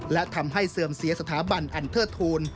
และทำให้เสื่อมเสียสถาบันอันเทิดทูล